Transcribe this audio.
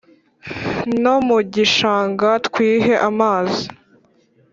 No mu gishanga twihe amazi